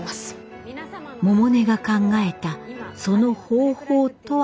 百音が考えたその方法とは？